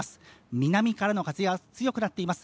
南からの風が強くなっています